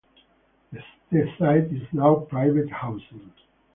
The site is now private housing.